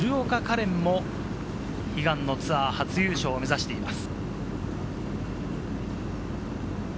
恋も悲願のツアー初優勝を目指しています。